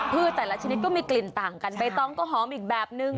แต่ละชนิดก็มีกลิ่นต่างกันใบตองก็หอมอีกแบบนึง